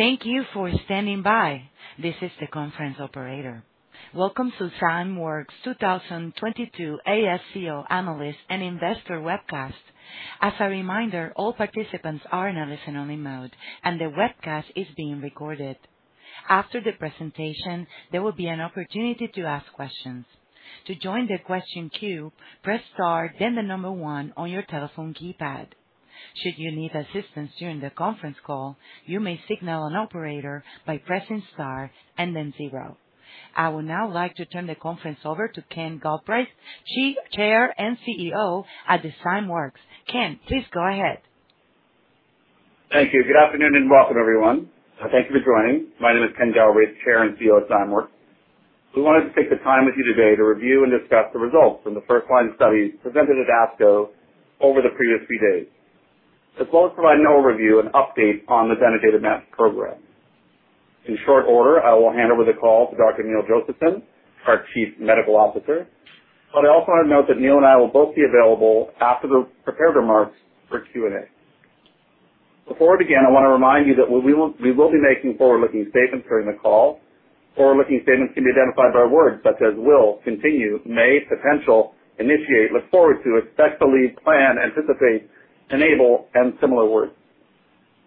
Thank you for standing by. This is the conference operator. Welcome to Zymeworks 2022 ASCO Analyst and Investor Webcast. As a reminder, all participants are in a listen-only mode, and the webcast is being recorded. After the presentation, there will be an opportunity to ask questions. To join the question queue, press star then the number one on your telephone keypad. Should you need assistance during the conference call, you may signal an operator by pressing star and then zero. I would now like to turn the conference over to Ken Galbraith, Chair and CEO of Zymeworks. Ken, please go ahead. Thank you. Good afternoon and welcome, everyone. Thank you for joining. My name is Ken Galbraith, Chair and CEO of Zymeworks. We wanted to take the time with you today to review and discuss the results from the first line of study presented at ASCO over the previous few days, as well as provide an overview and update on the Zanidatamab program. In short order, I will hand over the call to Dr. Neil Josephson, our Chief Medical Officer. I also want to note that Neil and I will both be available after the prepared remarks for Q&A. Before we begin, I wanna remind you that we will be making forward-looking statements during the call. Forward-looking statements can be identified by words such as will continue may potential initiate look forward to respectfully plan anticipate enable and similar words.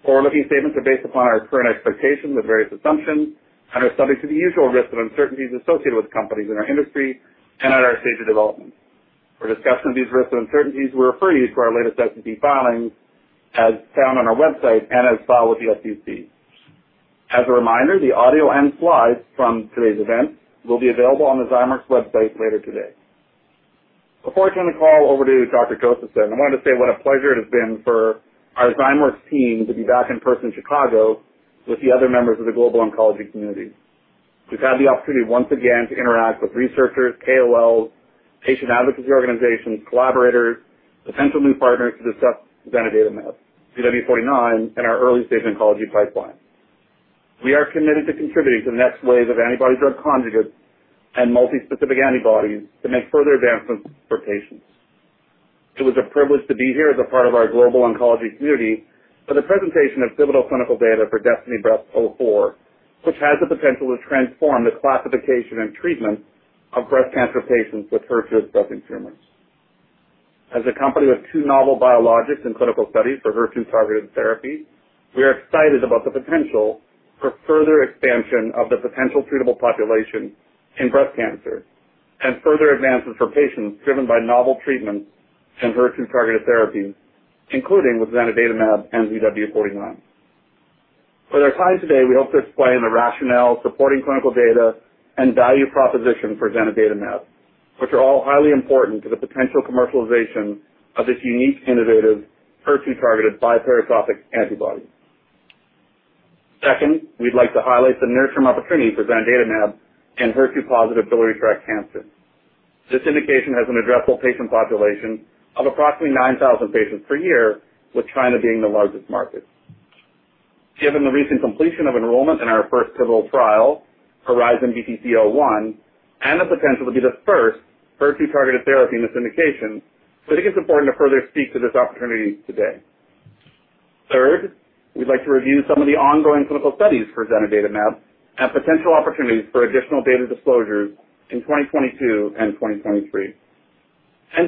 Forward-looking statements are based upon our current expectations with various assumptions and are subject to the usual risks and uncertainties associated with companies in our industry and at our stage of development. For discussion of these risks and uncertainties, we refer you to our latest SEC filings as found on our website and as filed with the SEC. As a reminder, the audio and slides from today's event will be available on the Zymeworks website later today. Before I turn the call over to Dr. Josephson, I wanted to say what a pleasure it has been for our Zymeworks team to be back in person in Chicago with the other members of the global oncology community. We've had the opportunity once again to interact with researchers, KOLs, patient advocacy organizations, collaborators, potential new partners to discuss Zanidatamab, ZW49, and our early-stage oncology pipeline. We are committed to contributing to the next wave of antibody-drug conjugates and multi-specific antibodies to make further advancements for patients. It was a privilege to be here as a part of our global oncology community for the presentation of pivotal clinical data for DESTINY-Breast04, which has the potential to transform the classification and treatment of breast cancer patients with HER2-positive tumors. As a company with two novel biologics in clinical studies for HER2-targeted therapy, we are excited about the potential for further expansion of the potential treatable population in breast cancer and further advancements for patients driven by novel treatments in HER2-targeted therapy, including with Zanidatamab and ZW49. For their time today, we hope to explain the rationale, supporting clinical data, and value proposition for Zanidatamab, which are all highly important to the potential commercialization of this unique, innovative, HER2-targeted bispecific antibody. Second, we'd like to highlight the near-term opportunity for Zanidatamab in HER2-positive biliary tract cancer. This indication has an addressable patient population of approximately 9,000 patients per year, with China being the largest market. Given the recent completion of enrollment in our first pivotal trial, HORIZON-BTC-01, and the potential to be the first HER2-targeted therapy in this indication, we think it's important to further speak to this opportunity today. Third, we'd like to review some of the ongoing clinical studies for Zanidatamab and potential opportunities for additional data disclosures in 2022 and 2023.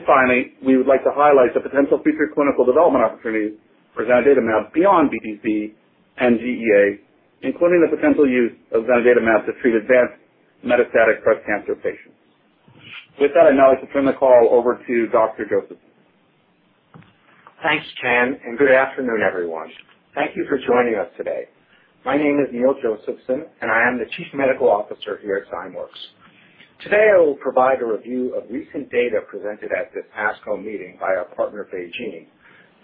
Finally, we would like to highlight the potential future clinical development opportunities for Zanidatamab beyond BTC and GEA, including the potential use of Zanidatamab to treat advanced metastatic breast cancer patients. With that, I'd now like to turn the call over to Dr. Josephson. Thanks, Ken, and good afternoon, everyone. Thank you for joining us today. My name is Neil Josephson, and I am the Chief Medical Officer here at Zymeworks. Today, I will provide a review of recent data presented at this ASCO meeting by our partner BeiGene,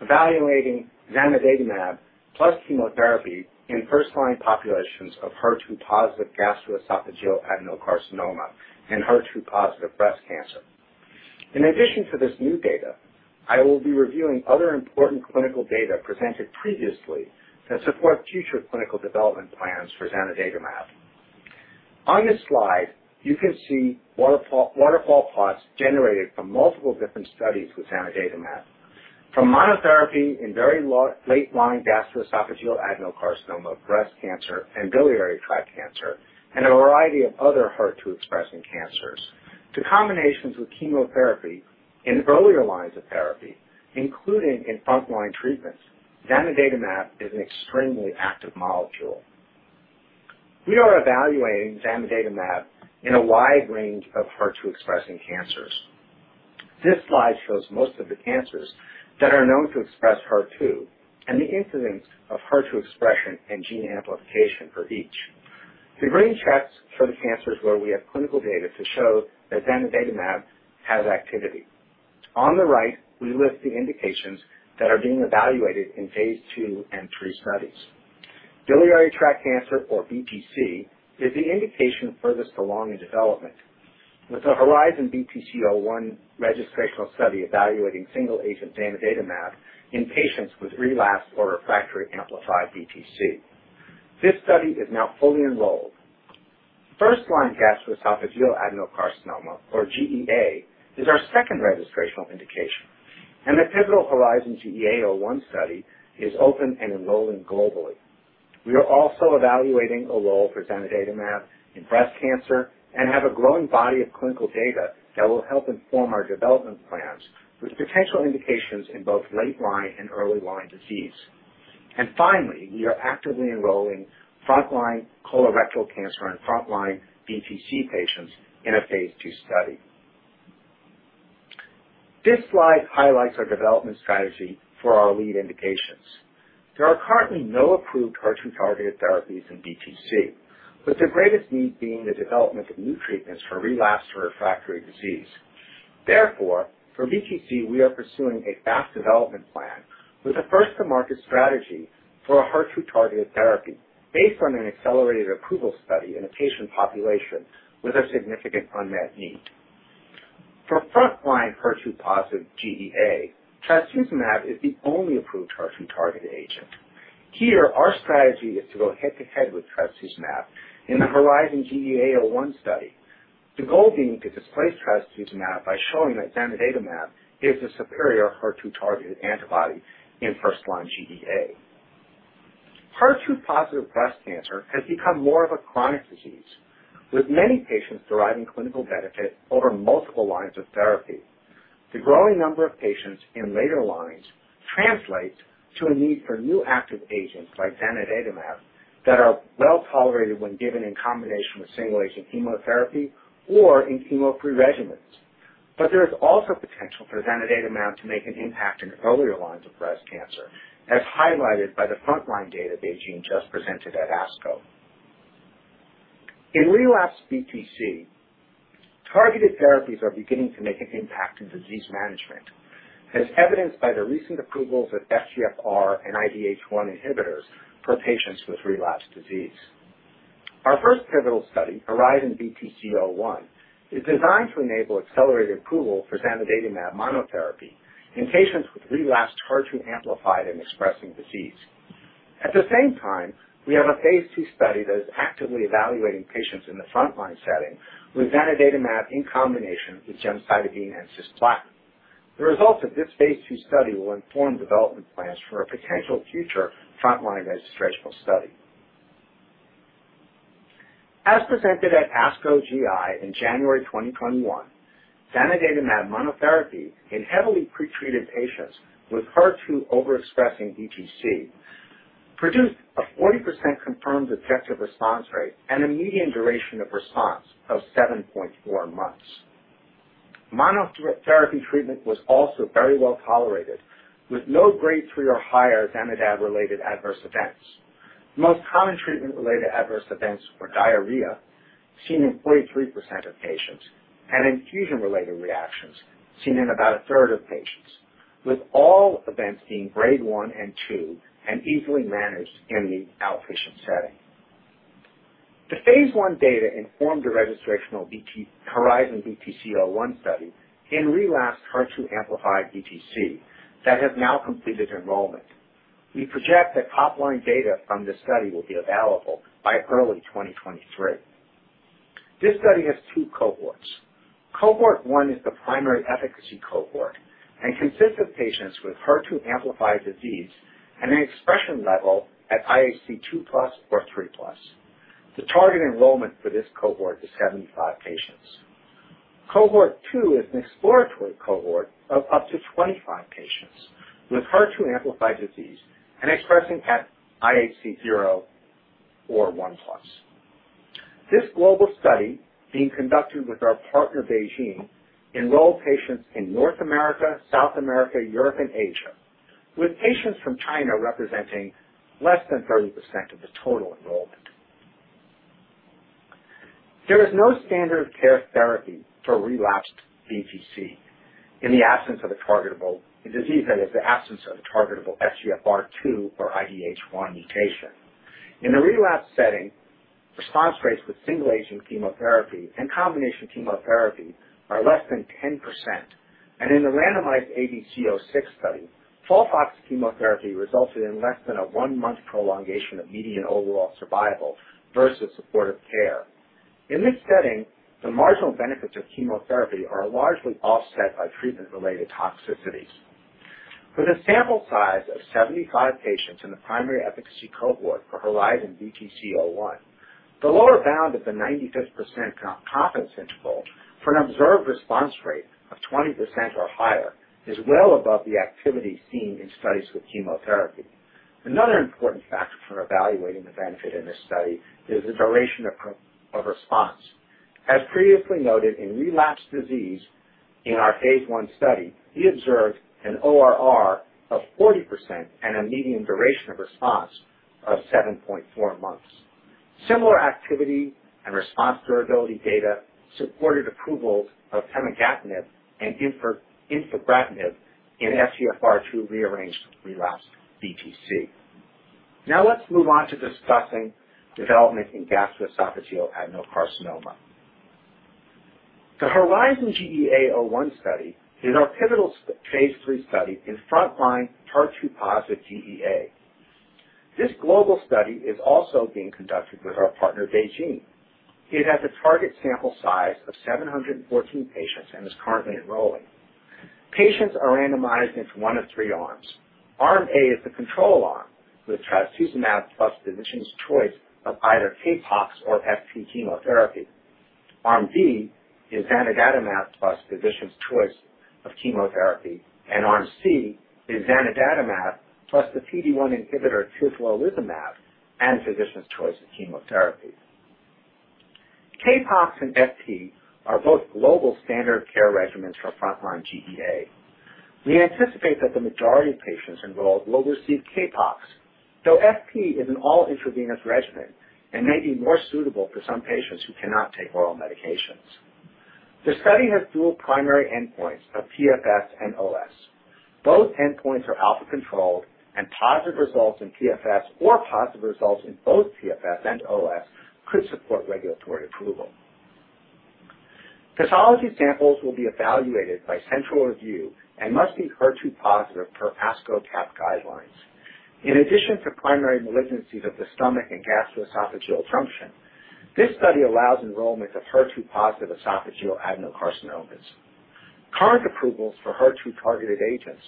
evaluating zanidatamab plus chemotherapy in first-line populations of HER2-positive gastroesophageal adenocarcinoma and HER2-positive breast cancer. In addition to this new data, I will be reviewing other important clinical data presented previously that support future clinical development plans for zanidatamab. On this slide, you can see waterfall plots generated from multiple different studies with zanidatamab. From monotherapy in late-line gastroesophageal adenocarcinoma, breast cancer, and biliary tract cancer, and a variety of other HER2-expressing cancers, to combinations with chemotherapy in earlier lines of therapy, including in front-line treatments, zanidatamab is an extremely active molecule. We are evaluating zanidatamab in a wide range of HER2-expressing cancers. This slide shows most of the cancers that are known to express HER2 and the incidence of HER2 expression and gene amplification for each. The green checks show the cancers where we have clinical data to show that zanidatamab has activity. On the right, we list the indications that are being evaluated in Phase II and III studies. Biliary tract cancer, or BTC, is the indication furthest along in development, with the HORIZON-BTC-01 registrational study evaluating single-agent zanidatamab in patients with relapsed or refractory amplified BTC. This study is now fully enrolled. First-line gastroesophageal adenocarcinoma, or GEA, is our second registrational indication, and the pivotal HORIZON-GEA-01 study is open and enrolling globally. We are also evaluating a role for zanidatamab in breast cancer and have a growing body of clinical data that will help inform our development plans with potential indications in both late-line and early-line disease. Finally, we are actively enrolling frontline colorectal cancer and frontline BTC patients in a phase 2 study. This slide highlights our development strategy for our lead indications. There are currently no approved HER2-targeted therapies in BTC, with the greatest need being the development of new treatments for relapsed refractory disease. Therefore, for BTC, we are pursuing a fast development plan with a first to market strategy for a HER2-targeted therapy based on an accelerated approval study in a patient population with a significant unmet need. For frontline HER2-positive GEA, trastuzumab is the only approved HER2-targeted agent. Our strategy is to go head-to-head with trastuzumab in the HORIZON-GEA-01 study, the goal being to displace trastuzumab by showing that zanidatamab is a superior HER2-targeted antibody in first-line GEA. HER2-positive breast cancer has become more of a chronic disease, with many patients deriving clinical benefit over multiple lines of therapy. The growing number of patients in later lines translates to a need for new active agents like zanidatamab that are well tolerated when given in combination with single agent chemotherapy or in chemo-free regimens. There is also potential for zanidatamab to make an impact in earlier lines of breast cancer, as highlighted by the frontline data BeiGene just presented at ASCO. In relapsed BTC, targeted therapies are beginning to make an impact in disease management, as evidenced by the recent approvals of FGFR and IDH1 inhibitors for patients with relapsed disease. Our first pivotal study, HORIZON-BTC-01, is designed to enable accelerated approval for zanidatamab monotherapy in patients with relapsed HER2 amplified or expressing disease. At the same time, we have a phase 2 study that is actively evaluating patients in the frontline setting with zanidatamab in combination with gemcitabine and cisplatin. The results of this phase 2 study will inform development plans for a potential future frontline registrational study. As presented at ASCO GI in January 2021, zanidatamab monotherapy in heavily pretreated patients with HER2 overexpressing BTC produced a 40% confirmed objective response rate and a median duration of response of 7.4 months. Monotherapy treatment was also very well tolerated, with no grade three or higher zanidatamab-related adverse events. Most common treatment-related adverse events were diarrhea, seen in 43% of patients, and infusion-related reactions seen in about a third of patients, with all events being grade one and two and easily managed in the outpatient setting. The phase 1 data informed the registrational HORIZON-BTC-01 study in relapsed HER2 amplified BTC that have now completed enrollment. We project that top line data from this study will be available by early 2023. This study has two cohorts. Cohort 1 is the primary efficacy cohort and consists of patients with HER2 amplified disease and an expression level at IHC 2+ or 3+. The target enrollment for this cohort is 75 patients. Cohort 2 is an exploratory cohort of up to 25 patients with HER2 amplified disease and expressing at IHC 0 or 1+. This global study being conducted with our partner BeiGene enroll patients in North America, South America, Europe and Asia, with patients from China representing less than 30% of the total enrollment. There is no standard of care therapy for relapsed BTC, a disease that is the absence of a targetable FGFR2 or IDH1 mutation. In the relapsed setting, response rates with single agent chemotherapy and combination chemotherapy are less than 10%, and in the randomized ABC06 study, FOLFOX chemotherapy resulted in less than a one-month prolongation of median overall survival versus supportive care. In this setting, the marginal benefits of chemotherapy are largely offset by treatment-related toxicities. For the sample size of 75 patients in the primary efficacy cohort for HORIZON-BTC-01, the lower bound of the 95% confidence interval for an observed response rate of 20% or higher is well above the activity seen in studies with chemotherapy. Another important factor for evaluating the benefit in this study is the duration of response. As previously noted in relapsed disease in our phase 1 study, we observed an ORR of 40% and a median duration of response of 7.4 months. Similar activity and response durability data supported approvals of pemigatinib and infigratinib in FGFR2 rearranged relapsed BTC. Now let's move on to discussing development in gastroesophageal adenocarcinoma. The HORIZON-GEA-01 study is our pivotal phase 3 study in frontline HER2-positive GEA. This global study is also being conducted with our partner Daiichi Sankyo. It has a target sample size of 714 patients and is currently enrolling. Patients are randomized into one of three arms. Arm A is the control arm with trastuzumab plus physician's choice of either CAPOX or FP chemotherapy. Arm B is zanidatamab plus physician's choice of chemotherapy. Arm C is zanidatamab plus the PD-1 inhibitor tislelizumab and physician's choice of chemotherapy. CAPOX and FP are both global standard care regimens for frontline GEA. We anticipate that the majority of patients enrolled will receive CAPOX, though FP is an all-intravenous regimen and may be more suitable for some patients who cannot take oral medications. The study has dual primary endpoints of PFS and OS. Both endpoints are alpha controlled, and positive results in PFS or positive results in both PFS and OS could support regulatory approval. Pathology samples will be evaluated by central review and must be HER2-positive per ASCO/CAP guidelines. In addition to primary malignancies of the stomach and gastroesophageal junction, this study allows enrollment of HER2-positive esophageal adenocarcinomas. Current approvals for HER2-targeted agents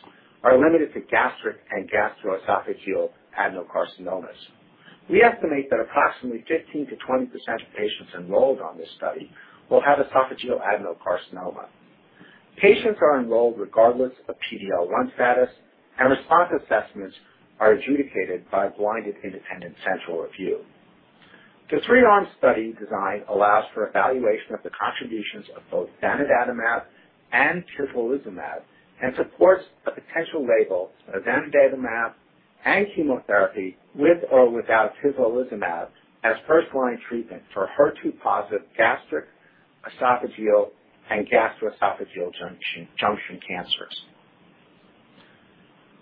are limited to gastric and gastroesophageal adenocarcinomas. We estimate that approximately 15%-20% of patients enrolled on this study will have esophageal adenocarcinoma. Patients are enrolled regardless of PD-L1 status and response assessments are adjudicated by a blinded independent central review. The three-arm study design allows for evaluation of the contributions of both zanidatamab and tislelizumab and supports a potential label of zanidatamab and chemotherapy with or without tislelizumab as first-line treatment for HER2-positive gastric, esophageal and gastroesophageal junction cancers.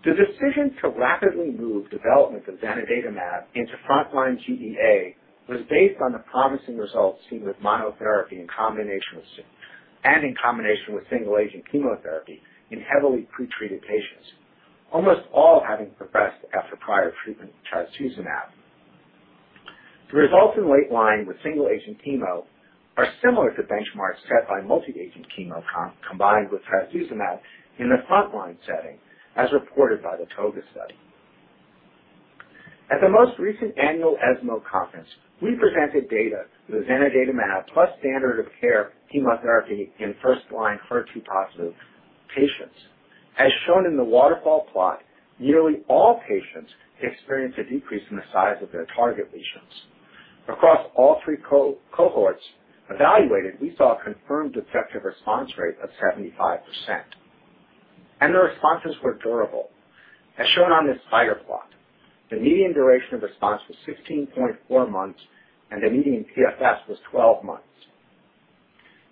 The decision to rapidly move development of zanidatamab into frontline GEA was based on the promising results seen with monotherapy and in combination with single-agent chemotherapy in heavily pretreated patients, almost all having progressed after prior treatment with trastuzumab. The results in late line with single-agent chemo are similar to benchmarks set by multi-agent chemo combined with trastuzumab in the frontline setting, as reported by the ToGA study. At the most recent annual ESMO conference, we presented data for the zanidatamab plus standard of care chemotherapy in first-line HER2-positive patients. As shown in the waterfall plot, nearly all patients experienced a decrease in the size of their target lesions. Across all three cohorts evaluated, we saw a confirmed objective response rate of 75%. The responses were durable. As shown on this spider plot, the median duration of response was 16.4 months, and the median PFS was 12 months.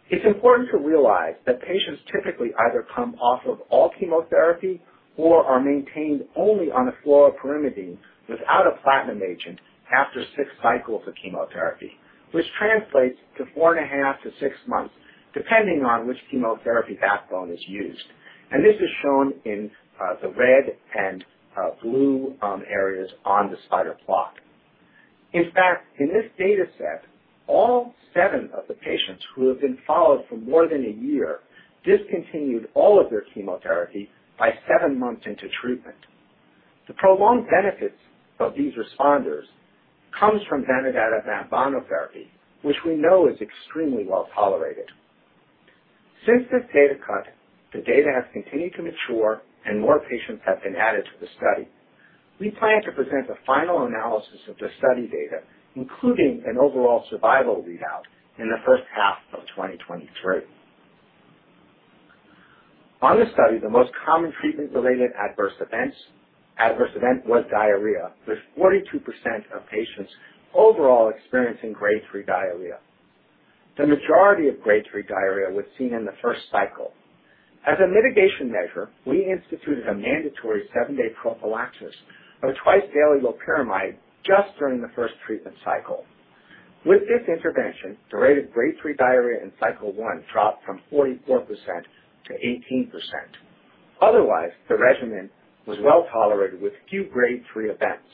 It's important to realize that patients typically either come off of all chemotherapy or are maintained only on a fluoropyrimidine without a platinum agent after 6 cycles of chemotherapy, which translates to 4.5-6 months, depending on which chemotherapy backbone is used. This is shown in the red and blue areas on the spider plot. In fact, in this dataset, all 7 of the patients who have been followed for more than a year discontinued all of their chemotherapy by 7 months into treatment. The prolonged benefits of these responders comes from zanidatamab monotherapy, which we know is extremely well-tolerated. Since this data cut, the data has continued to mature and more patients have been added to the study. We plan to present the final analysis of the study data, including an overall survival readout, in the first half of 2023. On this study, the most common treatment-related adverse event was diarrhea, with 42% of patients overall experiencing grade 3 diarrhea. The majority of grade 3 diarrhea was seen in the first cycle. As a mitigation measure, we instituted a mandatory 7-day prophylaxis of twice-daily loperamide just during the first treatment cycle. With this intervention, the rate of grade three diarrhea in cycle 1 dropped from 44% to 18%. Otherwise, the regimen was well-tolerated with few grade three events.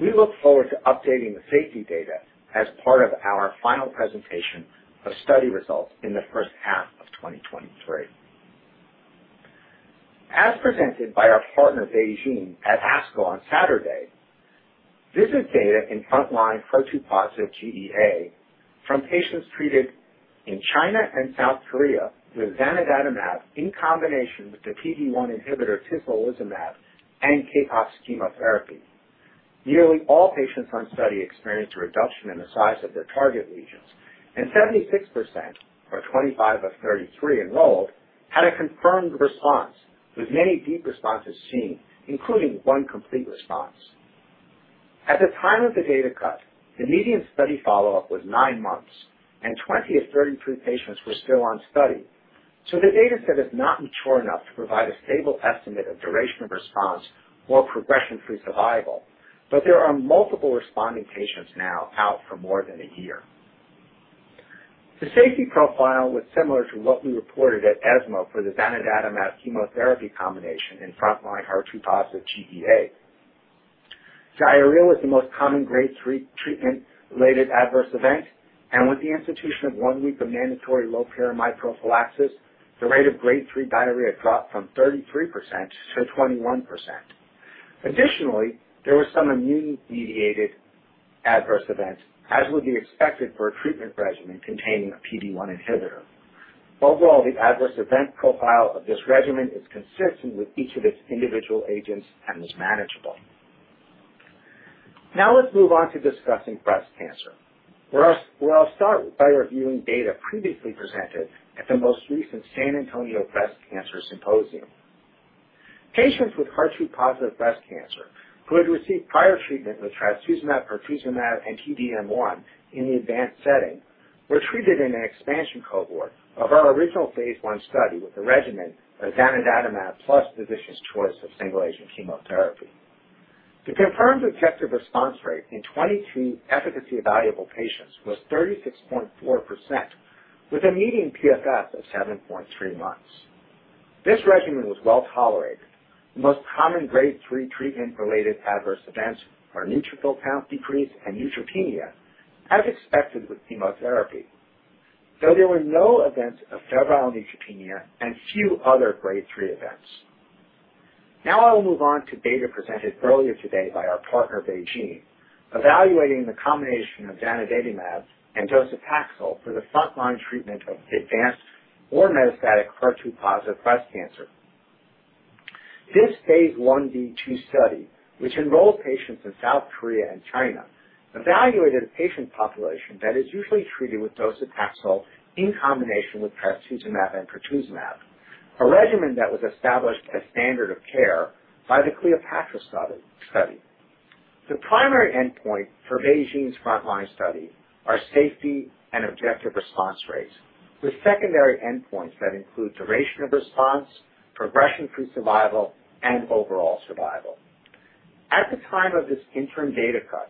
We look forward to updating the safety data as part of our final presentation of study results in the first half of 2023. As presented by our partner, BeiGene at ASCO on Saturday. This is data in frontline HER2-positive GEA from patients treated in China and South Korea with zanidatamab in combination with the PD-1 inhibitor tislelizumab and CAPOX chemotherapy. Nearly all patients on study experienced a reduction in the size of their target lesions and 76% or 25 of 33 enrolled had a confirmed response with many deep responses seen, including 1 complete response. At the time of the data cut, the median study follow-up was 9 months and 20 of 33 patients were still on study. The data set is not mature enough to provide a stable estimate of duration of response or progression-free survival, but there are multiple responding patients now out for more than a year. The safety profile was similar to what we reported at ESMO for the zanidatamab chemotherapy combination in front-line HER2-positive GEA. Diarrhea was the most common grade 3 treatment-related adverse event, and with the institution of 1 week of mandatory loperamide prophylaxis, the rate of grade 3 diarrhea dropped from 33% to 21%. Additionally, there was some immune-mediated adverse events, as would be expected for a treatment regimen containing a PD-1 inhibitor. Overall, the adverse event profile of this regimen is consistent with each of its individual agents and is manageable. Now let's move on to discussing breast cancer, where I'll start by reviewing data previously presented at the most recent San Antonio Breast Cancer Symposium. Patients with HER2-positive breast cancer who had received prior treatment with trastuzumab, pertuzumab, and T-DM1 in the advanced setting were treated in an expansion cohort of our original phase 1 study with the regimen of zanidatamab plus physician's choice of single-agent chemotherapy. The confirmed objective response rate in 23 efficacy evaluable patients was 36.4% with a median PFS of 7.3 months. This regimen was well-tolerated. The most common grade three treatment-related adverse events are neutrophil count decrease and neutropenia, as expected with chemotherapy. There were no events of febrile neutropenia and few other grade three events. Now I will move on to data presented earlier today by our partner BeiGene, evaluating the combination of zanidatamab and docetaxel for the front-line treatment of advanced or metastatic HER2-positive breast cancer. This Phase 1b/2 study, which enrolled patients in South Korea and China, evaluated a patient population that is usually treated with docetaxel in combination with trastuzumab and pertuzumab a regimen that was established as standard of care by the CLEOPATRA study. The primary endpoint for BeiGene's frontline study are safety and objective response rates, with secondary endpoints that include duration of response, progression-free survival, and overall survival. At the time of this interim data cut,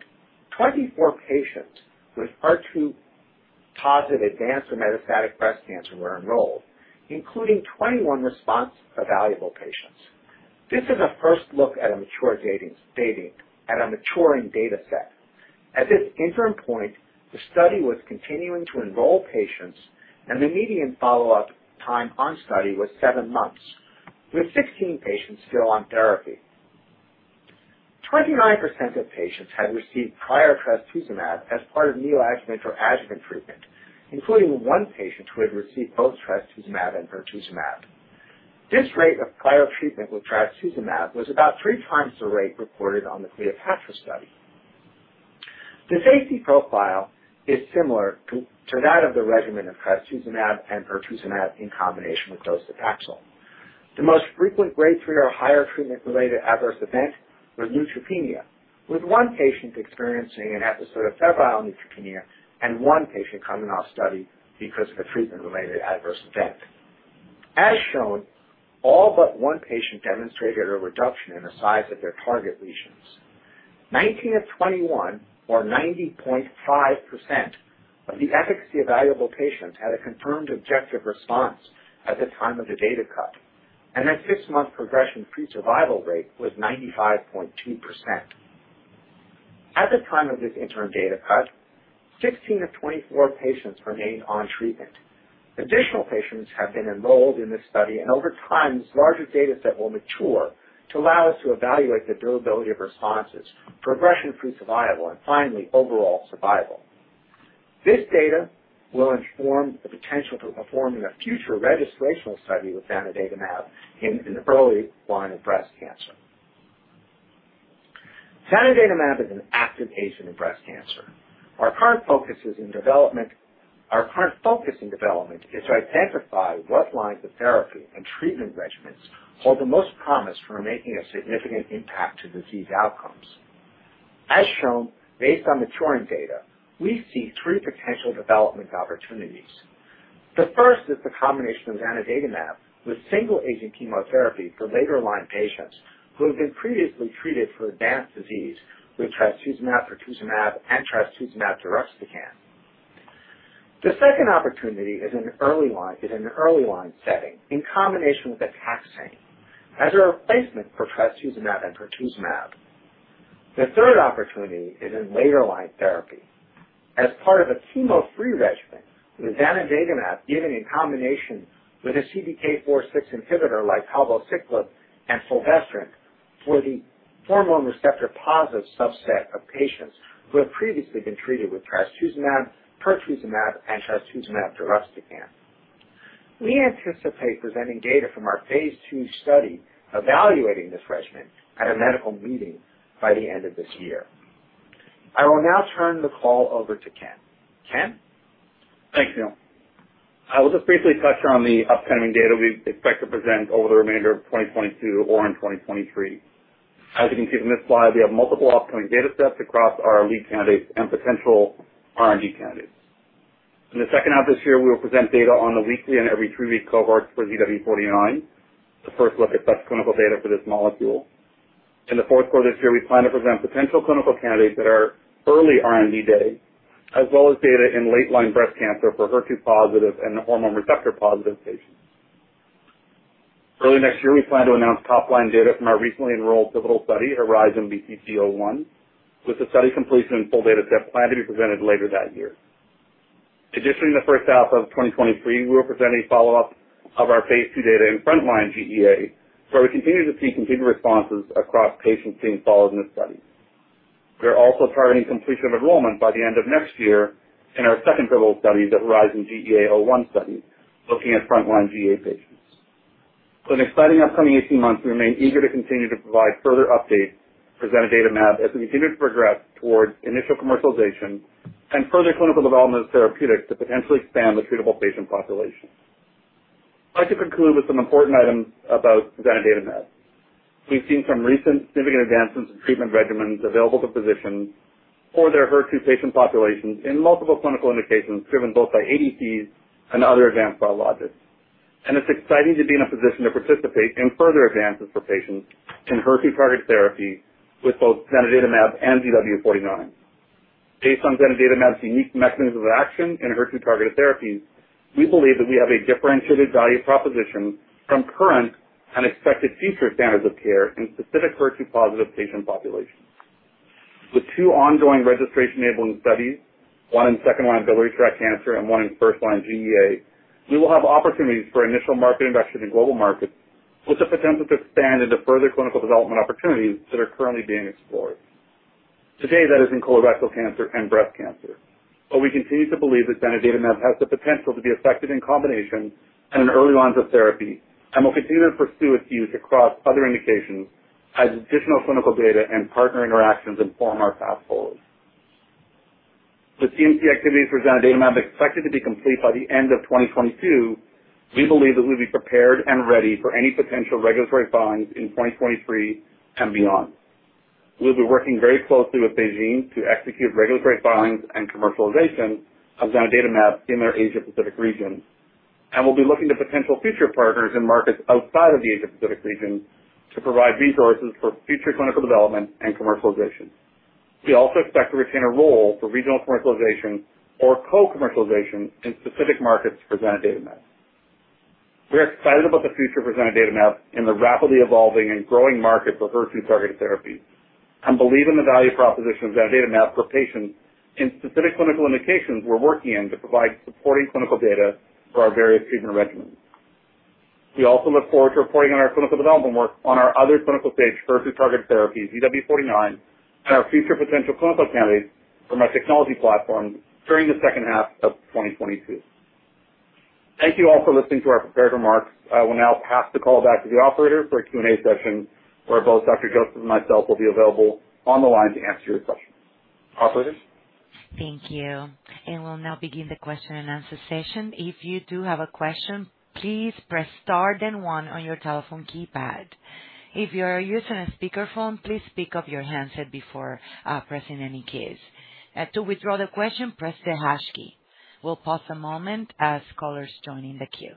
24 patients with HER2-positive advanced or metastatic breast cancer were enrolled, including 21 response evaluable patients. This is a first look at a mature data set, a maturing data set. At this interim point, the study was continuing to enroll patients, and the median follow-up time on study was 7 months, with 16 patients still on therapy. 29% of patients had received prior trastuzumab as part of neoadjuvant or adjuvant treatment, including one patient who had received both trastuzumab and pertuzumab. This rate of prior treatment with trastuzumab was about three times the rate reported on the CLEOPATRA study. The safety profile is similar to that of the regimen of trastuzumab and pertuzumab in combination with docetaxel. The most frequent grade 3 or higher treatment-related adverse event was neutropenia, with 1 patient experiencing an episode of febrile neutropenia and 1 patient coming off study because of a treatment-related adverse event. As shown, all but 1 patient demonstrated a reduction in the size of their target lesions. 19 of 21, or 90.5%, of the efficacy evaluable patients had a confirmed objective response at the time of the data cut, and their 6-month progression-free survival rate was 95.2%. At the time of this interim data cut, 16 of 24 patients remained on treatment. Additional patients have been enrolled in this study, and over time, this larger data set will mature to allow us to evaluate the durability of responses, progression-free survival, and finally, overall survival. This data will inform the potential for performing a future registrational study with zanidatamab in an early line of breast cancer. Zanidatamab is an active agent in breast cancer. Our current focus in development is to identify what lines of therapy and treatment regimens hold the most promise for making a significant impact to disease outcomes. As shown, based on maturing data, we see three potential development opportunities. The first is the combination of zanidatamab with single-agent chemotherapy for later-line patients who have been previously treated for advanced disease with trastuzumab, pertuzumab, and trastuzumab deruxtecan. The second opportunity is in early line setting in combination with a taxane as a replacement for trastuzumab and pertuzumab. The third opportunity is in later-line therapy as part of a chemo-free regimen with zanidatamab given in combination with a CDK4/6 inhibitor like palbociclib and fulvestrant for the hormone receptor-positive subset of patients who have previously been treated with trastuzumab, pertuzumab, and trastuzumab deruxtecan. We anticipate presenting data from our phase two study evaluating this regimen at a medical meeting by the end of this year. I will now turn the call over to Ken. Ken? Thanks, Neil. I will just briefly touch on the upcoming data we expect to present over the remainder of 2022 or in 2023. As you can see from this slide, we have multiple upcoming data sets across our lead candidates and potential R&D candidates. In the second half this year, we will present data on the weekly and every 3-week cohorts for ZW49, the first look at best clinical data for this molecule. In the fourth quarter this year, we plan to present potential clinical candidates that are early R&D data, as well as data in late line breast cancer for HER2-positive and hormone receptor-positive patients. Early next year, we plan to announce top-line data from our recently enrolled pivotal study, HORIZON-BTC-01, with the study completion and full data set planned to be presented later that year. Additionally, in the first half of 2023, we will present a follow-up of our phase 2 data in frontline GEA, where we continue to see complete responses across patients being followed in this study. We're also targeting completion of enrollment by the end of next year in our second pivotal study, the HORIZON-GEA-01 study, looking at frontline GEA patients. In exciting upcoming 18 months, we remain eager to continue to provide further updates for zanidatamab as we continue to progress towards initial commercialization and further clinical development of therapeutics to potentially expand the treatable patient population. I'd like to conclude with some important items about zanidatamab. We've seen some recent significant advancements in treatment regimens available to physicians for their HER2 patient populations in multiple clinical indications driven both by ADCs and other advanced biologics. It's exciting to be in a position to participate in further advances for patients in HER2-targeted therapy with both zanidatamab and ZW49. Based on zanidatamab's unique mechanism of action in HER2-targeted therapies, we believe that we have a differentiated value proposition from current and expected future standards of care in specific HER2-positive patient populations. With two ongoing registration-enabling studies, one in second-line biliary tract cancer and one in first-line GEA, we will have opportunities for initial market investment in global markets with the potential to expand into further clinical development opportunities that are currently being explored. Today, that is in colorectal cancer and breast cancer. We continue to believe that zanidatamab has the potential to be effective in combination and in early lines of therapy, and we'll continue to pursue its use across other indications as additional clinical data and partner interactions inform our path forward. With CMC activities for zanidatamab expected to be complete by the end of 2022, we believe that we'll be prepared and ready for any potential regulatory filings in 2023 and beyond. We'll be working very closely with BeiGene to execute regulatory filings and commercialization of zanidatamab in their Asia Pacific region, and we'll be looking to potential future partners in markets outside of the Asia Pacific region to provide resources for future clinical development and commercialization. We also expect to retain a role for regional commercialization or co-commercialization in specific markets for zanidatamab. We are excited about the future of zanidatamab in the rapidly evolving and growing market for HER2-targeted therapies and believe in the value proposition of zanidatamab for patients in specific clinical indications we're working in to provide supporting clinical data for our various treatment regimens. We also look forward to reporting on our clinical development work on our other clinical-stage HER2-targeted therapy, ZW49, and our future potential clinical candidates from our technology platform during the second half of 2022. Thank you all for listening to our prepared remarks. I will now pass the call back to the operator for a Q&A session where both Neil Josephson and myself will be available on the line to answer your questions. Operator? Thank you. We'll now begin the question-and-answer session. If you do have a question, please press star then one on your telephone keypad. If you are using a speakerphone, please pick up your handset before pressing any keys. To withdraw the question, press the hash key. We'll pause a moment as callers join in the queue.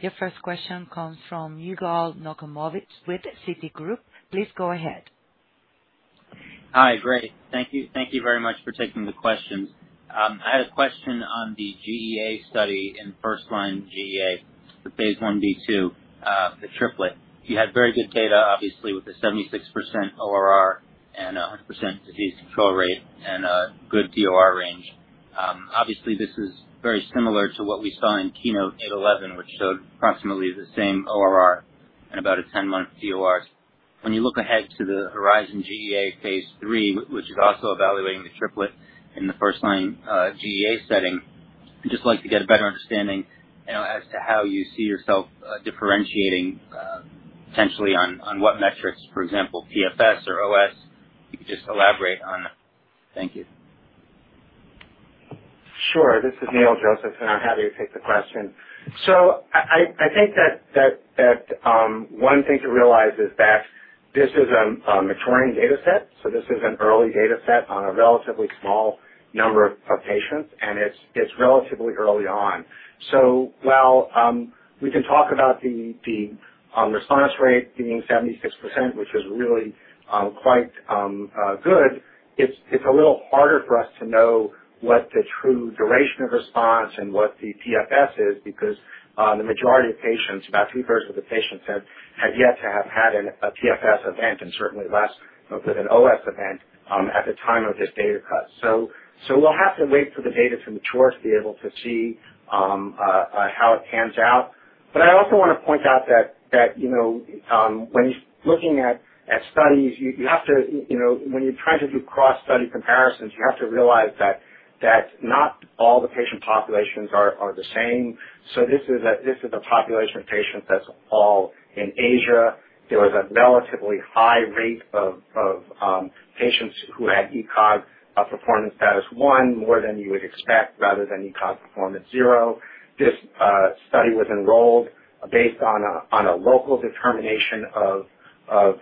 Your first question comes from Yigal Nochomovitz with Citigroup. Please go ahead. Hi. Great. Thank you. Thank you very much for taking the questions. I had a question on the GEA study in first-line GEA, the phase 1b/2, the triplet. You had very good data, obviously, with the 76% ORR and a 100% disease control rate and a good DOR range. Obviously, this is very similar to what we saw in KEYNOTE-811, which showed approximately the same ORR and about a 10-month DOR. When you look ahead to the HORIZON-GEA-01, which is also evaluating the triplet in the first-line GEA setting, I'd just like to get a better understanding, you know, as to how you see yourself differentiating potentially on what metrics, for example, PFS or OS, if you could just elaborate on that. Thank you. Sure. This is Neil Josephson, and I'm happy to take the question. I think that one thing to realize is that this is a maturing data set, so this is an early data set on a relatively small number of patients, and it's relatively early on. While we can talk about the response rate being 76%, which is really quite good, it's a little harder for us to know what the true duration of response and what the PFS is because the majority of patients, about two-thirds of the patients have yet to have had a PFS event and certainly less with an OS event, at the time of this data cut. We'll have to wait for the data to mature to be able to see how it pans out. I also wanna point out that you know when you're looking at studies you have to you know when you're trying to do cross-study comparisons you have to realize that not all the patient populations are the same. This is a population of patients that's all in Asia. There was a relatively high rate of patients who had ECOG performance status one, more than you would expect, rather than ECOG performance zero. This study was enrolled based on a local determination of Of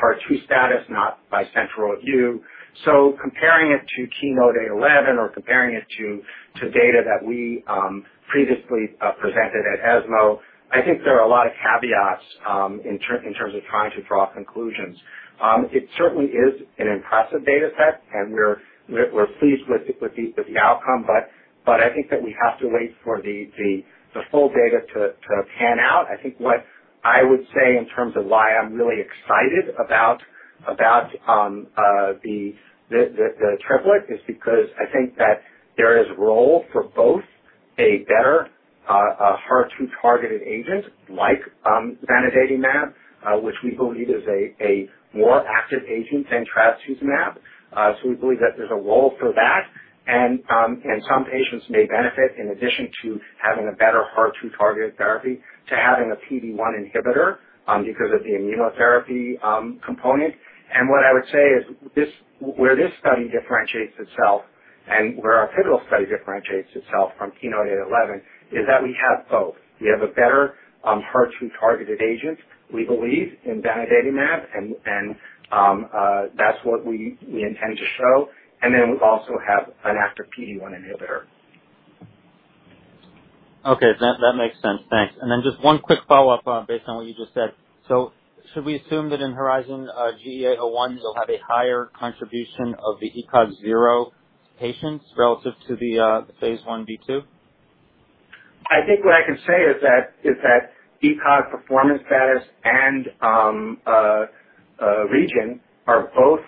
HER2 status, not by central review. Comparing it to KEYNOTE-811 or comparing it to data that we previously presented at ESMO, I think there are a lot of caveats in terms of trying to draw conclusions. It certainly is an impressive data set and we're pleased with the outcome. I think that we have to wait for the full data to pan out. I think what I would say in terms of why I'm really excited about the triplet is because I think that there is role for both a better HER2-targeted agent like zanidatamab, which we believe is a more active agent than trastuzumab. We believe that there's a role for that. Some patients may benefit in addition to having a better HER2-targeted therapy to having a PD-1 inhibitor, because of the immunotherapy component. What I would say is this, where this study differentiates itself and where our pivotal study differentiates itself from KEYNOTE-811 is that we have both. We have a better HER2-targeted agent, we believe in zanidatamab and that's what we intend to show. Then we also have an active PD-1 inhibitor. Okay. That makes sense. Thanks. Just one quick follow-up based on what you just said. Should we assume that in HORIZON-GEA-01 will have a higher contribution of the ECOG 0 patients relative to the phase 1b/2? I think what I can say is that ECOG performance status and region are both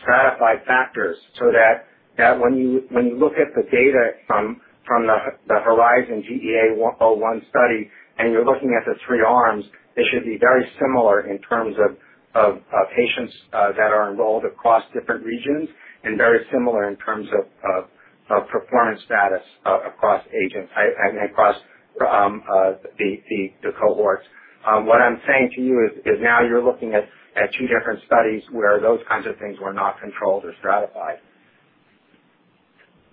stratified factors so that when you look at the data from the HORIZON-GEA-01 study and you're looking at the three arms, they should be very similar in terms of patients that are enrolled across different regions and very similar in terms of performance status across agents. I mean across the cohorts. What I'm saying to you is now you're looking at two different studies where those kinds of things were not controlled or stratified.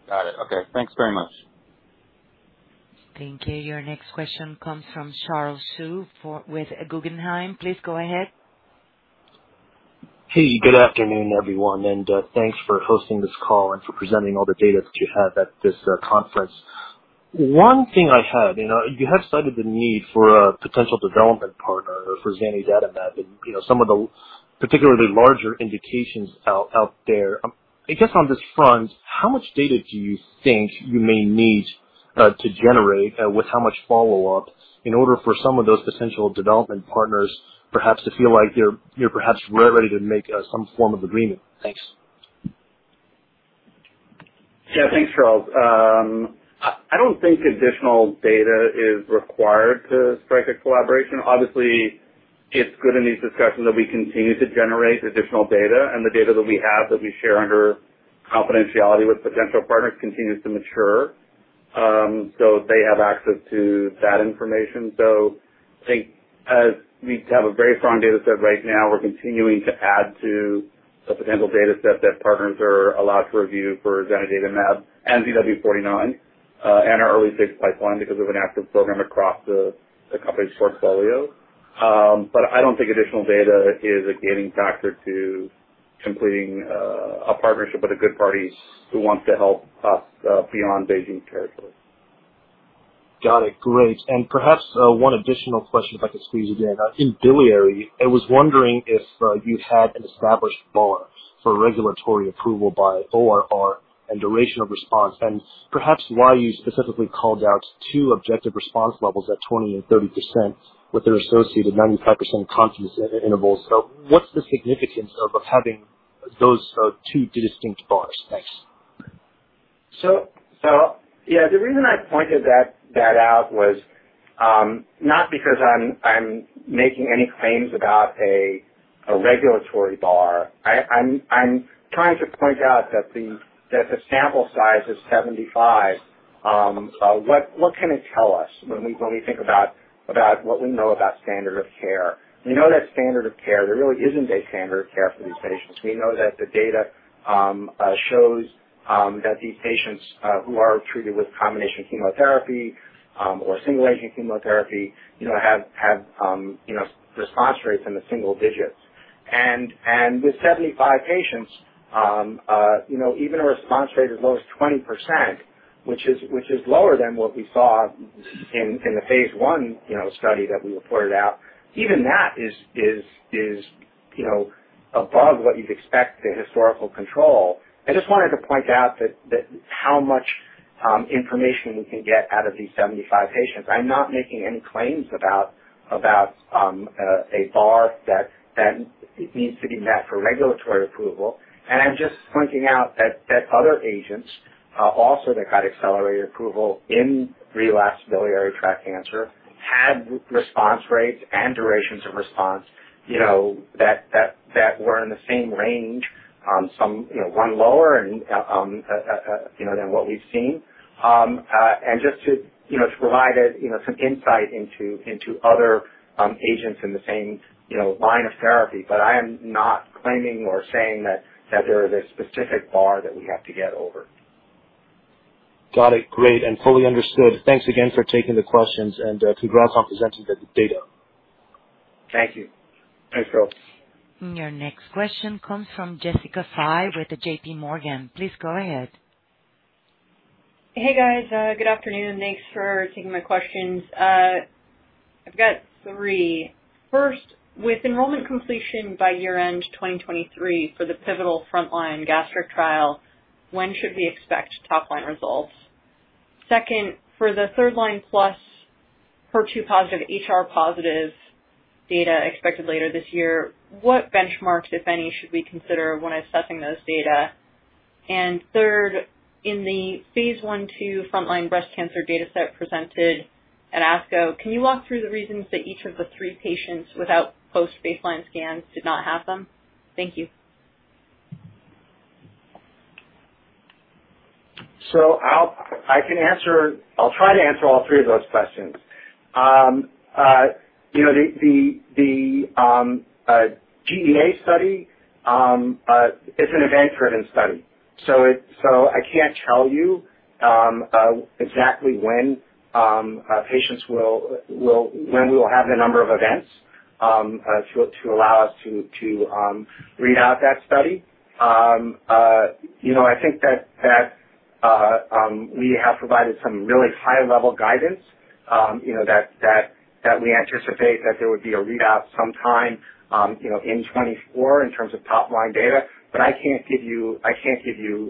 Got it. Okay. Thanks very much. Thank you. Your next question comes from Charles Hsu with Guggenheim. Please go ahead. Hey, good afternoon, everyone, and thanks for hosting this call and for presenting all the data that you have at this conference. One thing I had, you know, you have cited the need for a potential development partner for zanidatamab and, you know, some of the particularly larger indications out there. I guess on this front, how much data do you think you may need to generate with how much follow-up in order for some of those potential development partners perhaps to feel like you're perhaps ready to make some form of agreement? Thanks. Yeah, thanks, Charles. I don't think additional data is required to strike a collaboration. Obviously it's good in these discussions that we continue to generate additional data and the data that we have that we share under confidentiality with potential partners continues to mature. So they have access to that information. So I think as we have a very strong data set right now, we're continuing to add to the potential data set that partners are allowed to review for Zanidatamab and ZW49 and our early-stage pipeline because we have an active program across the company's portfolio. But I don't think additional data is a gaining factor to completing a partnership with a good party who wants to help us beyond BeiGene territory. Got it. Great. Perhaps one additional question if I could squeeze it in. In biliary I was wondering if you had an established bar for regulatory approval by ORR and duration of response and perhaps why you specifically called out two objective response levels at 20% and 30% with their associated 95% confidence intervals. What's the significance of having those two distinct bars? Thanks. The reason I pointed that out was not because I'm making any claims about a regulatory bar. I'm trying to point out that the sample size is 75. What can it tell us when we think about what we know about standard of care? We know that standard of care, there really isn't a standard of care for these patients. We know that the data shows that these patients who are treated with combination chemotherapy or single agent chemotherapy, you know, have response rates in the single digits. With 75 patients, you know, even a response rate as low as 20% which is lower than what we saw in the phase 1 study that we reported out, even that is above what you'd expect the historical control. I just wanted to point out that how much information we can get out of these 75 patients. I'm not making any claims about a bar that needs to be met for regulatory approval. I'm just pointing out that other agents also that got accelerated approval in relapsed biliary tract cancer had response rates and durations of response, you know, that were in the same range. Some, you know, run lower and, you know, than what we've seen. Just to, you know, provide some insight into other agents in the same, you know, line of therapy. I am not claiming or saying that there is a specific bar that we have to get over. Got it. Great and fully understood. Thanks again for taking the questions, and congrats on presenting the data. Thank you. Thanks, Charles Hsu. Your next question comes from Jessica Fye with J.P. Morgan. Please go ahead. Hey, guys. Good afternoon. Thanks for taking my questions. I've got three. First, with enrollment completion by year-end 2023 for the pivotal frontline gastric trial, when should we expect top line results? Second, for the third line plus HER2-positive, HR-positive data expected later this year, what benchmarks, if any, should we consider when assessing those data? Third, in the phase 1/2 frontline breast cancer dataset presented at ASCO, can you walk through the reasons that each of the three patients without post-baseline scans did not have them? Thank you. I'll try to answer all three of those questions. You know, the GEA study is an event-driven study. I can't tell you exactly when we will have the number of events to allow us to read out that study. You know, I think that we have provided some really high-level guidance, you know, that we anticipate that there would be a readout sometime, you know, in 2024 in terms of top-line data. I can't give you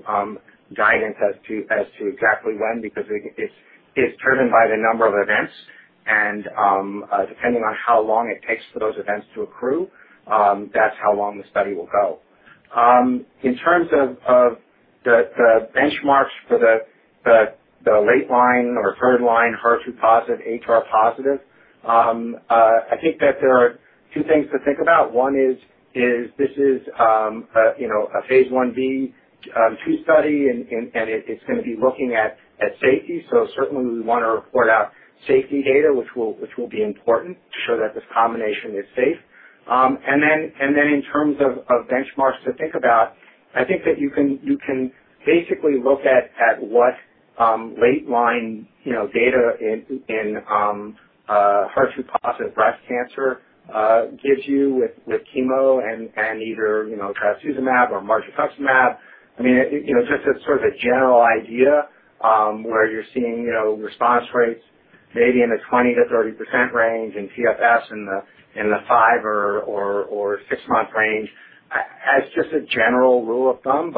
guidance as to exactly when because it's determined by the number of events and depending on how long it takes for those events to accrue, that's how long the study will go. In terms of the benchmarks for the late line or third line HER2 positive, HR positive, I think that there are two things to think about. One is this is a you know a phase 1b/2 study, and it's gonna be looking at safety. Certainly we wanna report out safety data which will be important to show that this combination is safe. In terms of benchmarks to think about, I think that you can basically look at what late line, you know, data in HER2-positive breast cancer gives you with chemo and either, you know, trastuzumab or margetuximab. I mean, you know, just as sort of a general idea, where you're seeing, you know, response rates maybe in the 20%-30% range in PFS in the five- or six-month range as just a general rule of thumb.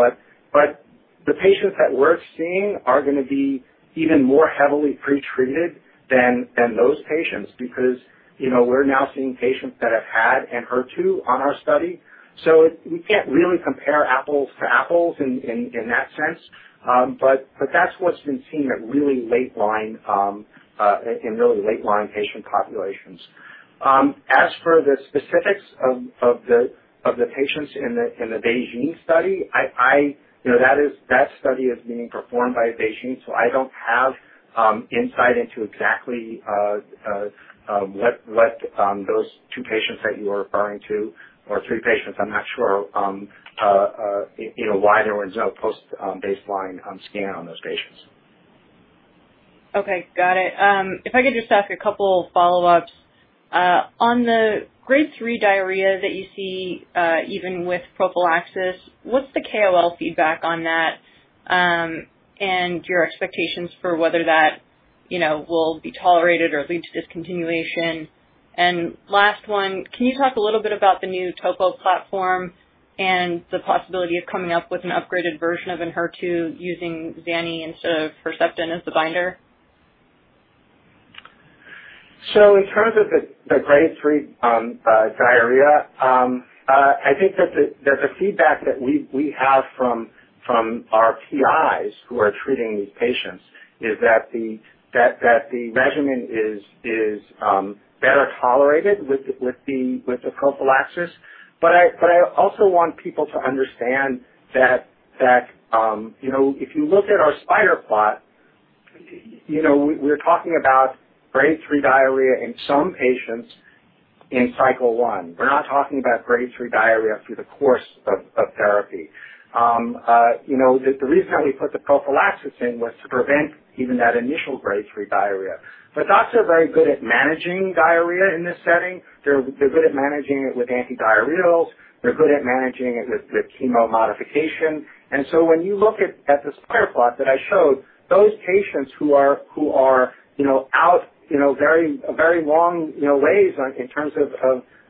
The patients that we're seeing are gonna be even more heavily pretreated than those patients because, you know, we're now seeing patients that have had Enhertu on our study, so it we can't really compare apples to apples in that sense. That's what's been seen at really late line in really late line patient populations. As for the specifics of the patients in the BeiGene study, you know, that study is being performed by BeiGene, so I don't have insight into exactly what those two patients that you are referring to or three patients, I'm not sure, you know, why there was no post baseline scan on those patients. Okay, got it. If I could just ask a couple follow-ups. On the grade three diarrhea that you see, even with prophylaxis, what's the KOL feedback on that, and your expectations for whether that, you know, will be tolerated or lead to discontinuation? Last one, can you talk a little bit about the new TOPO1 platform and the possibility of coming up with an upgraded version of Enhertu using zanidatamab instead of Herceptin as the binder? In terms of the grade 3 diarrhea, I think that the feedback that we have from our PIs who are treating these patients is that the regimen is better tolerated with the prophylaxis. I also want people to understand that, you know, if you look at our spider plot, you know, we're talking about grade 3 diarrhea in some patients in cycle 1. We're not talking about grade 3 diarrhea through the course of therapy. You know, the reason why we put the prophylaxis in was to prevent even that initial grade 3 diarrhea. Docs are very good at managing diarrhea in this setting. They're good at managing it with antidiarrheals. They're good at managing it with chemo modification. When you look at the spider plot that I showed, those patients who are you know out you know very long ways on in terms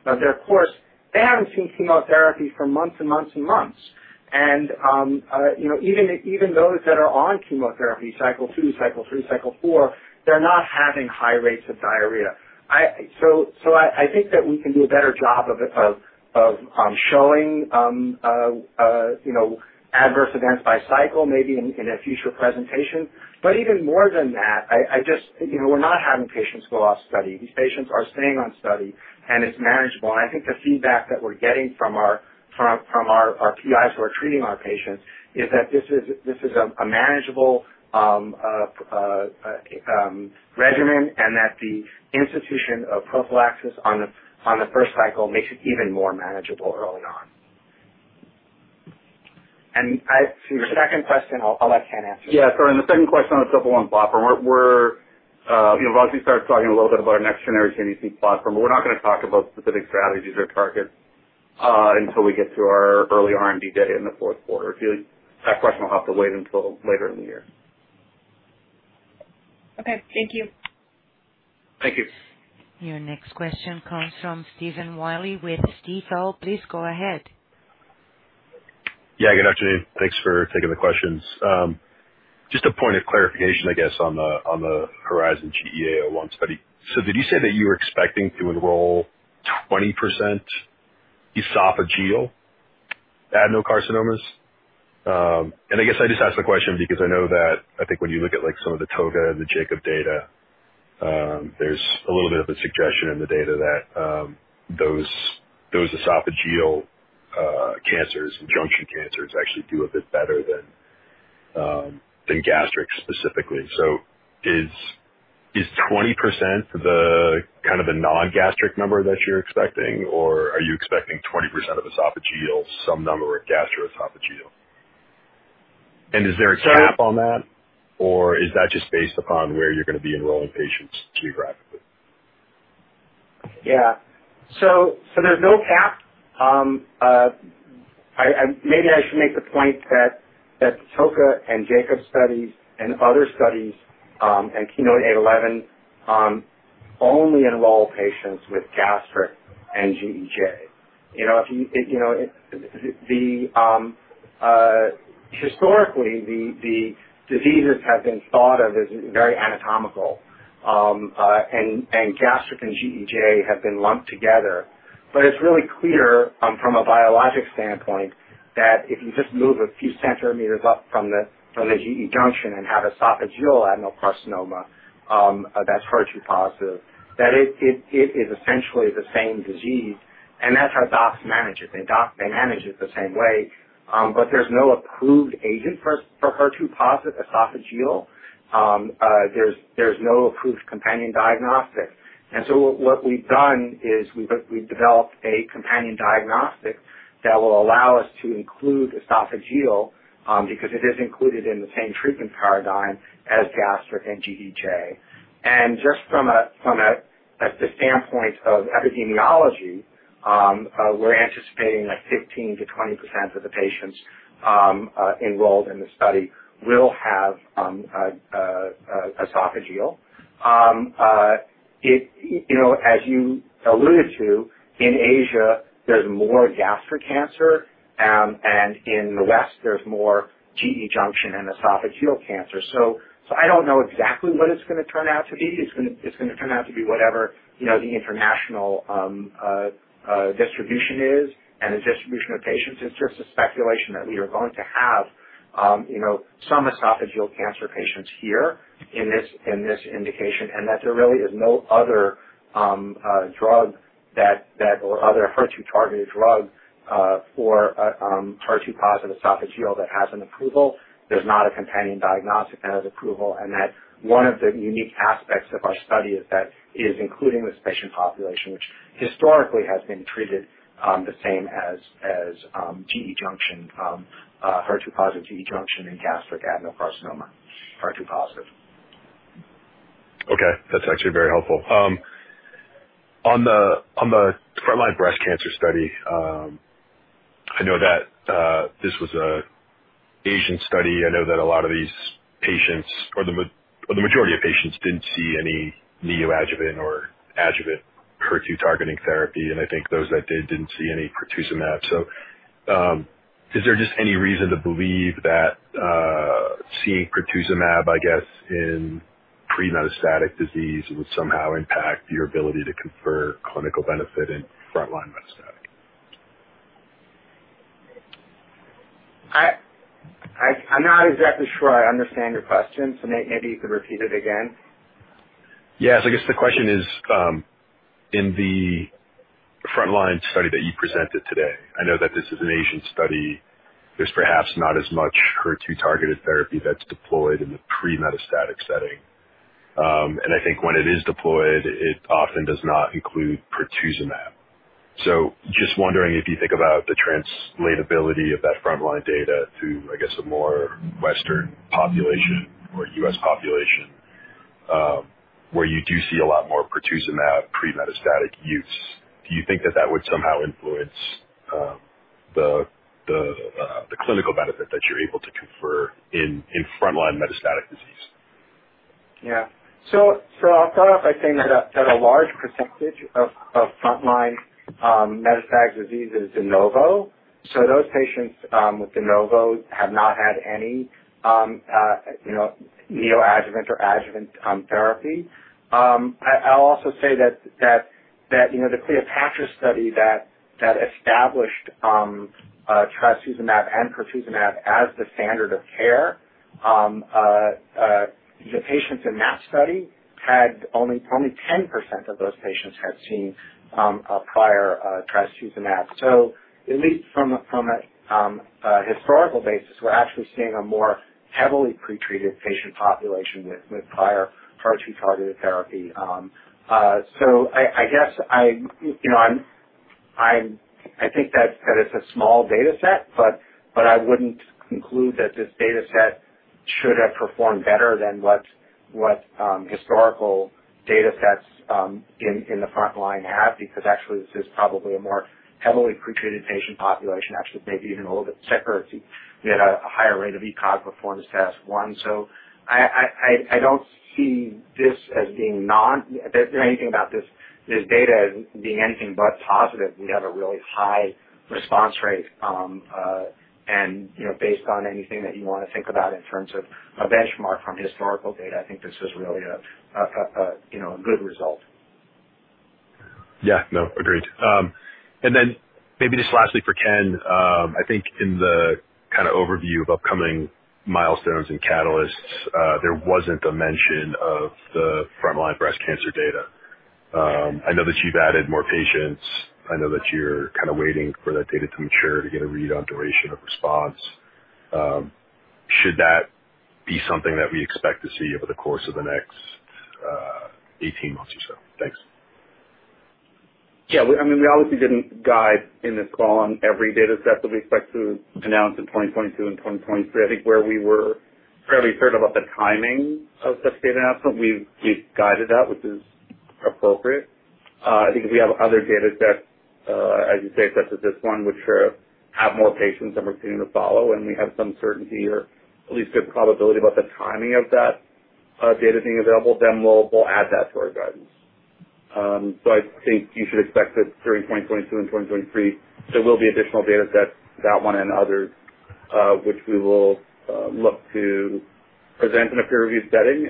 of their course, they haven't seen chemotherapy for months. You know even those that are on chemotherapy cycle two, cycle three, cycle four, they're not having high rates of diarrhea. I think that we can do a better job of showing you know adverse events by cycle maybe in a future presentation. Even more than that, I just you know we're not having patients go off study. These patients are staying on study, and it's manageable. I think the feedback that we're getting from our PIs who are treating our patients is that this is a manageable regimen, and that the institution of prophylaxis on the first cycle makes it even more manageable early on. To your second question, I'll let Ken answer. Yeah. Sorry. On the second question on the TOPO1 platform, we're you know Razi starts talking a little bit about our next-generation ADC platform. We're not gonna talk about specific strategies or targets, until we get to our early R&D day in the fourth quarter. That question will have to wait until later in the year. Okay. Thank you. Thank you. Your next question comes from Stephen Wiley with Stifel. Please go ahead. Yeah, good afternoon. Thanks for taking the questions. Just a point of clarification, I guess, on the HORIZON-GEA-01 study. Did you say that you were expecting to enroll 20% esophageal adenocarcinomas? And I guess I just ask the question because I know that I think when you look at, like, some of the ToGA and the JACOB data, there's a little bit of a suggestion in the data that those esophageal cancers and junction cancers actually do a bit better than gastric specifically. Is 20% the kind of the non-gastric number that you're expecting, or are you expecting 20% of esophageal, some number of gastroesophageal? Is there a cap on that, or is that just based upon where you're gonna be enrolling patients geographically? Yeah. There's no cap. Maybe I should make the point that ToGA and JACOB studies and other studies, and KEYNOTE-811, only enroll patients with gastric and GEJ. Historically, the diseases have been thought of as very anatomical, and gastric and GEJ have been lumped together. It's really clear from a biologic standpoint that if you just move a few centimeters up from the GE junction and have esophageal adenocarcinoma, that's HER2-positive, that it is essentially the same disease, and that's how docs manage it. They manage it the same way. There's no approved agent for HER2-positive esophageal. There's no approved companion diagnostic. What we've done is we've developed a companion diagnostic that will allow us to include esophageal, because it is included in the same treatment paradigm as gastric and GEJ. Just from a standpoint of epidemiology, we're anticipating that 15%-20% of the patients enrolled in the study will have esophageal. You know, as you alluded to, in Asia, there's more gastric cancer, and in the West, there's more GE junction and esophageal cancer. So I don't know exactly what it's gonna turn out to be. It's gonna turn out to be whatever, you know, the international distribution is and the distribution of patients. It's just a speculation that we are going to have, you know, some esophageal cancer patients here in this, in this indication, and that there really is no other drug that or other HER2-targeted drug for HER2-positive esophageal that has an approval. There's not a companion diagnostic that has approval. That one of the unique aspects of our study is that it is including this patient population, which historically has been treated the same as GE junction, HER2-positive GE junction and gastric adenocarcinoma HER2 positive. Okay. That's actually very helpful. On the frontline breast cancer study, I know that this was an Asian study. I know that a lot of these patients or the majority of patients didn't see any neoadjuvant or adjuvant HER2-targeting therapy. I think those that did didn't see any pertuzumab. Is there just any reason to believe that seeing pertuzumab, I guess, in pre-metastatic disease would somehow impact your ability to confer clinical benefit in frontline metastatic? I’m not exactly sure I understand your question, so maybe you could repeat it again. Yes. I guess the question is, in the frontline study that you presented today, I know that this is an Asian study. There's perhaps not as much HER2-targeted therapy that's deployed in the pre-metastatic setting. I think when it is deployed, it often does not include pertuzumab. So just wondering if you think about the translatability of that frontline data to, I guess, a more Western population or U.S. population, where you do see a lot more pertuzumab pre-metastatic use. Do you think that that would somehow influence the clinical benefit that you're able to confer in frontline metastatic disease? I'll start off by saying that a large percentage of frontline metastatic disease is de novo. Those patients with de novo have not had any you know, neoadjuvant or adjuvant therapy. I'll also say that you know, the CLEOPATRA study that established trastuzumab and pertuzumab as the standard of care, the patients in that study had only 10% of those patients had seen a prior trastuzumab. At least from a historical basis, we're actually seeing a more heavily pretreated patient population with prior HER2-targeted therapy. I guess I, you know, I think that is a small data set, but I wouldn't conclude that this data set should have performed better than what historical data sets in the front line have, because actually this is probably a more heavily pre-treated patient population, actually maybe even a little bit sicker. We had a higher rate of ECOG performance status 1. I don't see this as being anything but positive. There's nothing about this data as being anything but positive. We have a really high response rate, and, you know, based on anything that you wanna think about in terms of a benchmark from historical data, I think this is really, you know, a good result. Yeah. No, agreed. And then maybe just lastly for Ken, I think in the kind of overview of upcoming milestones and catalysts, there wasn't a mention of the frontline breast cancer data. I know that you've added more patients. I know that you're kind of waiting for that data to mature to get a read on duration of response. Should that be something that we expect to see over the course of the next 18 months or so? Thanks. Yeah. I mean, we obviously didn't guide in this call on every data set that we expect to announce in 2022 and 2023. I think where we were fairly certain about the timing of such data announcement, we've guided that which is appropriate. I think if we have other data sets, as you say, such as this one, which have more patients that we're continuing to follow and we have some certainty or at least good probability about the timing of that data being available, then we'll add that to our guidance. I think you should expect it during 2022 and 2023. There will be additional datasets, that one and others, which we will look to present in a peer review setting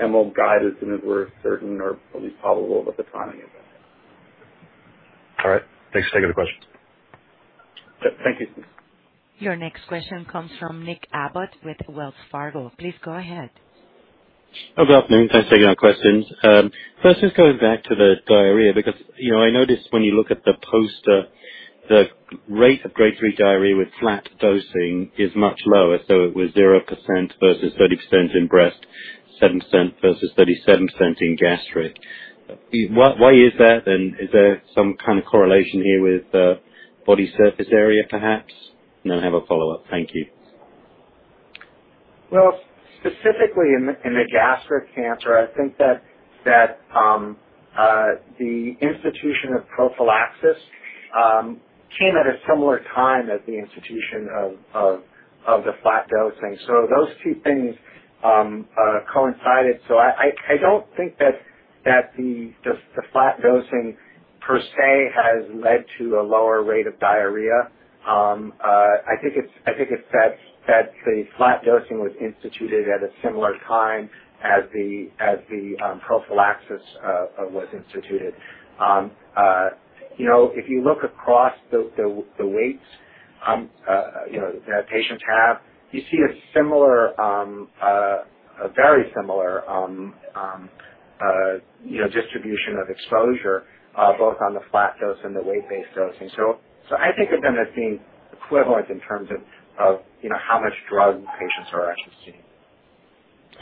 and we'll guide as soon as we're certain or at least probable about the timing of that. All right. Thanks. Thanks for taking the question. Yep. Thank you. Your next question comes from Nick Abbott with Wells Fargo. Please go ahead. Good afternoon. Thanks for taking our questions. First just going back to the diarrhea because, you know, I noticed when you look at the poster, the rate of grade 3 diarrhea with flat dosing is much lower, so it was 0% versus 30% in breast, 7% versus 37% in gastric. Why is that and is there some kind of correlation here with body surface area perhaps? And then I have a follow-up. Thank you. Well, specifically in the gastric cancer, I think that the institution of prophylaxis came at a similar time as the institution of the flat dosing. Those two things coincided. I don't think that the flat dosing per se has led to a lower rate of diarrhea. I think it's that the flat dosing was instituted at a similar time as the prophylaxis was instituted. You know, if you look across the weights, you know, that patients have, you see a similar, a very similar, you know, distribution of exposure, both on the flat dose and the weight-based dosing. I think of them as being equivalent in terms of, you know, how much drug patients are actually seeing.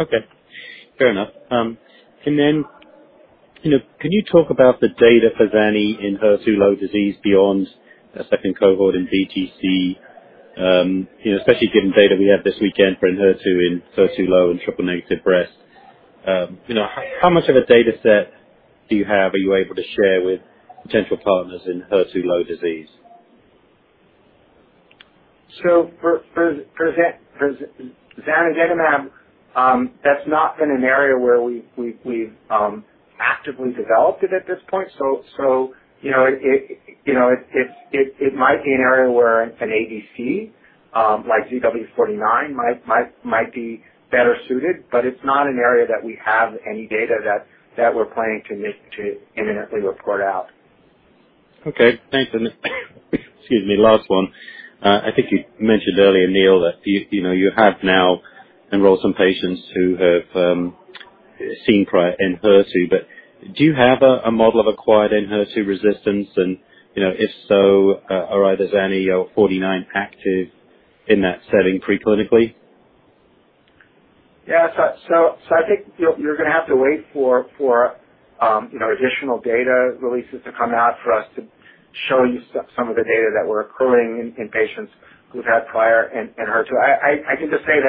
Okay. Fair enough. You know, can you talk about the data for zani in HER2-low disease beyond the second cohort in BTC? You know, especially given data we had this weekend for Enhertu in HER2-low and triple-negative breast. You know, how much of a data set do you have? Are you able to share with potential partners in HER2-low disease? For zanidatamab, that's not been an area where we've actively developed it at this point. You know, it might be an area where an ADC like ZW49 might be better suited, but it's not an area that we have any data that we're planning to imminently report out. Okay. Thanks. Excuse me. Last one. I think you mentioned earlier, Neil, that you know you have now enrolled some patients who have seen prior Enhertu, but do you have a model of acquired Enhertu resistance and if so, are either zanidatamab or ZW49 active in that setting pre-clinically? Yeah. I think you're gonna have to wait for, you know, additional data releases to come out for us to show you some of the data that we're accruing in patients who've had prior Enhertu. I can just say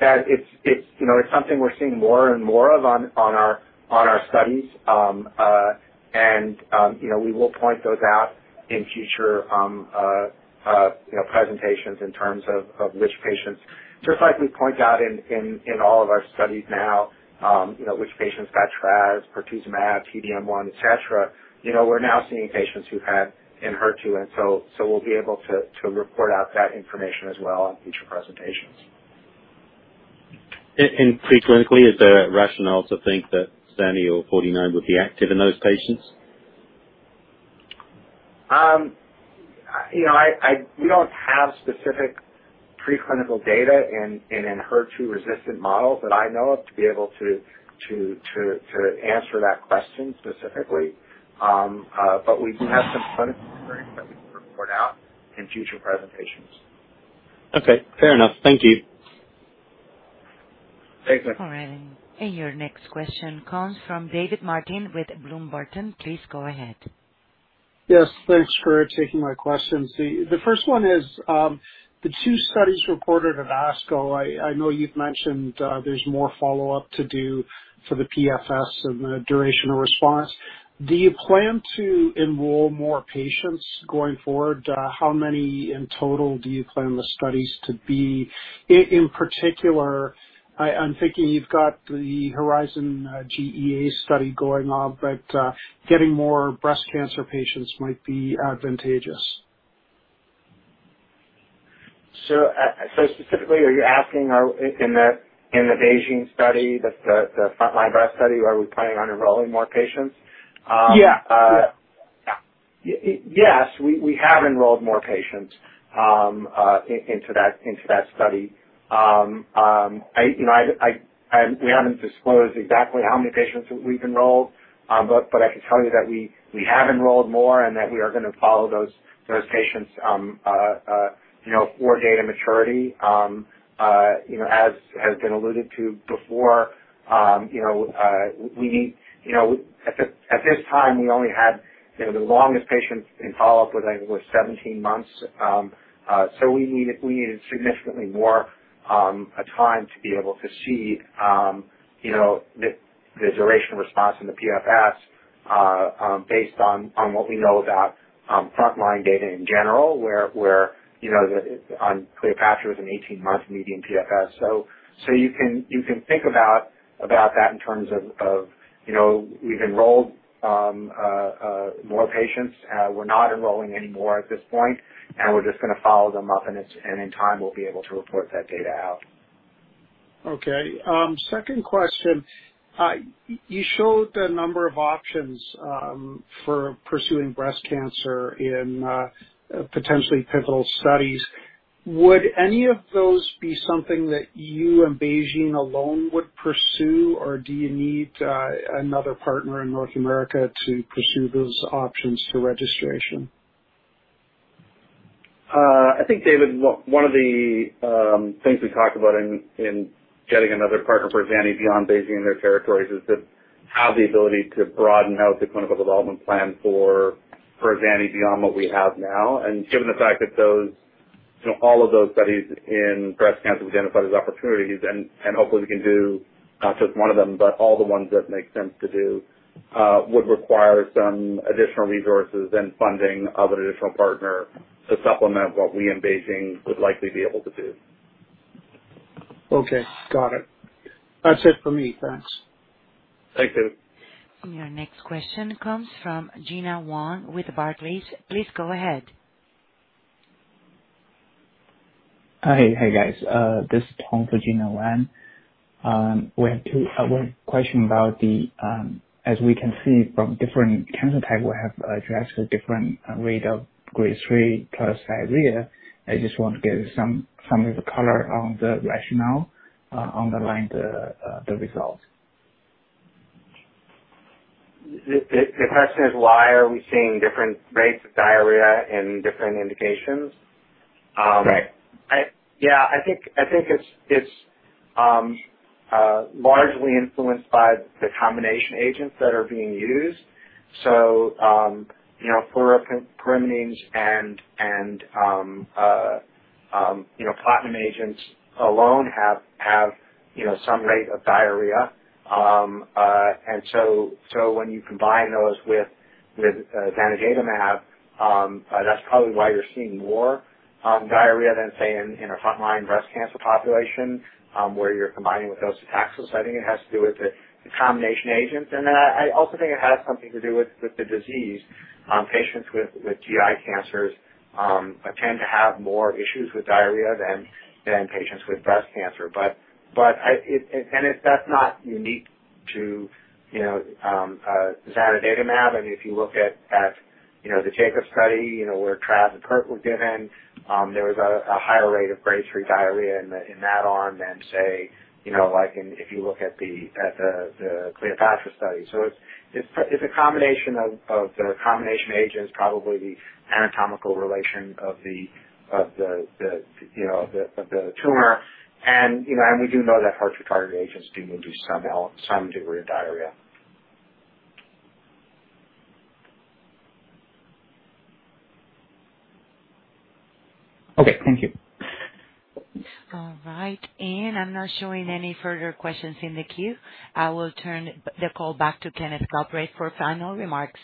that it's, you know, it's something we're seeing more and more of on our studies. You know, we will point those out in future presentations in terms of which patients. Just like we point out in all of our studies now, you know, which patients got Traz, Pertuzumab, T-DM1, et cetera. You know, we're now seeing patients who've had Enhertu, and we'll be able to report out that information as well on future presentations. Preclinically, is there a rationale to think that Zanidatamab or ZW49 would be active in those patients? You know, we don't have specific preclinical data in an HER2-resistant model that I know of to be able to answer that question specifically. But we do have some clinical that we can report out in future presentations. Okay, fair enough. Thank you. Thanks, ma'am. All right. Your next question comes from David Martin with Bloomberg. Please go ahead. Yes, thanks for taking my questions. The first one is the two studies reported at ASCO. I know you've mentioned there's more follow-up to do for the PFS and the duration of response. Do you plan to enroll more patients going forward? How many in total do you plan the studies to be? In particular, I'm thinking you've got the HORIZON GEA study going on, but getting more breast cancer patients might be advantageous. Specifically, are you asking in the BeiGene study, the frontline breast study, are we planning on enrolling more patients? Yeah. Yeah. Yes. We have enrolled more patients into that study. You know, and we haven't disclosed exactly how many patients we've enrolled, but I can tell you that we have enrolled more and that we are gonna follow those patients, you know, for data maturity. You know, as has been alluded to before, you know, we need, you know, at this time, we only had, you know, the longest patients in follow-up was, I think, 17 months. We needed significantly more time to be able to see, you know, the duration response in the PFS based on what we know about frontline data in general, where, you know, on CLEOPATRA was an 18-month median PFS. You can think about that in terms of, you know, we've enrolled more patients. We're not enrolling any more at this point, and we're just gonna follow them up, and in time, we'll be able to report that data out. Okay. Second question. You showed a number of options for pursuing breast cancer in potentially pivotal studies. Would any of those be something that you and BeiGene alone would pursue, or do you need another partner in North America to pursue those options for registration? I think, David, one of the things we talked about in getting another partner for zanidatamab beyond BeiGene and their territories is to have the ability to broaden out the clinical development plan for zanidatamab beyond what we have now. Given the fact that those, you know, all of those studies in breast cancer we've identified as opportunities and hopefully we can do not just one of them, but all the ones that make sense to do would require some additional resources and funding of an additional partner to supplement what we and BeiGene would likely be able to do. Okay. Got it. That's it for me. Thanks. Thanks, David. Your next question comes from Gena Wang with Barclays. Please go ahead. Hi. Hey, guys. This is Tong for Gena Wang. We have one question about the, as we can see from different cancer type, we have addressed a different rate of grade three plus diarrhea. I just want to get some color on the rationale underlying the results. The question is why are we seeing different rates of diarrhea in different indications? Right. Yeah. I think it's largely influenced by the combination agents that are being used. You know, fluoropyrimidines and platinum agents alone have some rate of diarrhea. When you combine those with zanidatamab, that's probably why you're seeing more diarrhea than, say, in a frontline breast cancer population, where you're combining with docetaxel. I think it has to do with the combination agents. Then I also think it has something to do with the disease. Patients with GI cancers tend to have more issues with diarrhea than patients with breast cancer. That's not unique to you know zanidatamab. I mean, if you look at you know, the JACOB study, you know, where trab and pert were given, there was a higher rate of grade three diarrhea in that arm than say, you know, like in if you look at the CLEOPATRA study. It's a combination of the combination agents, probably the anatomical relation of the tumor. We do know that HER2-targeted agents do induce some degree of diarrhea. Okay. Thank you. All right. I'm not showing any further questions in the queue. I will turn the call back to Kenneth Galbraith for final remarks.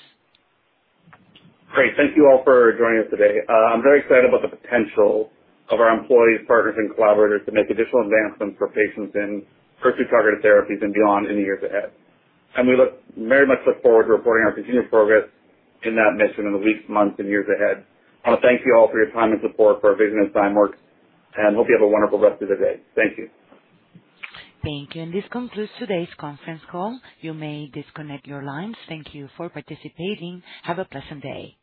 Great. Thank you all for joining us today. I'm very excited about the potential of our employees, partners, and collaborators to make additional advancements for patients in HER2-targeted therapies and beyond in the years ahead. We very much look forward to reporting our continued progress in that mission in the weeks, months, and years ahead. I wanna thank you all for your time and support for our vision at Zymeworks, and hope you have a wonderful rest of the day. Thank you. Thank you. This concludes today's conference call. You may disconnect your lines. Thank you for participating. Have a pleasant day.